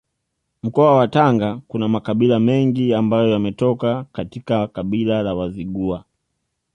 Mkoa wa Tanga kuna makabila mengi ambayo yametoka katika kabila la Wazigua